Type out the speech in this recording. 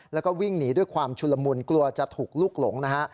แล้วก็วิ่งหนีด้วยความชุลมุนกลัวจะถูกลุกหลงนะฮะ